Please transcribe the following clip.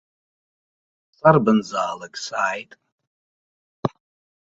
Сарбанзаалак, сааит!